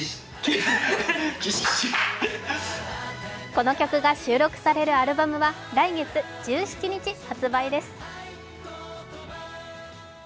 この曲が収録されるアルバムは来月１７日発売です。